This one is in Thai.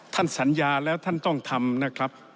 สัญญาแล้วท่านต้องทำนะครับ